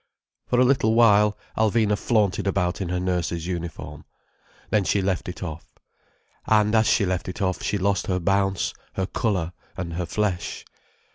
For a little while Alvina flaunted about in her nurse's uniform. Then she left it off. And as she left it off she lost her bounce, her colour, and her flesh.